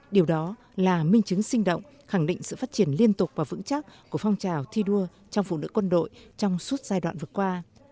điều đó là minh chứng sinh động khẳng định sự phát triển liên tục và vững chắc của phong trào thi đua trong phụ nữ quân đội trong suốt giai đoạn vừa qua